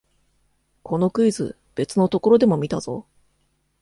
このクイズ、別のところでも見たぞ